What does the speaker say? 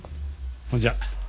ほんじゃ。